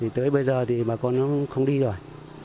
tới bây giờ thì bà con nó không đi rồi